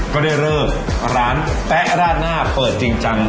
ก็ได้เลิกร้านแป๊ะราดหน้าเปิดจริงจัง